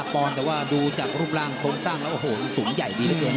ปอนด์แต่ว่าดูจากรูปร่างโครงสร้างแล้วโอ้โหสูงใหญ่ดีเหลือเกิน